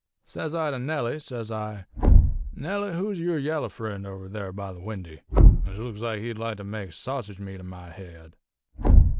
"Sez I to Nellie, sez I: 'Nellie, who's yer yaller friend over there by the windy, which looks like he'd like to make sassage meat o' my head?'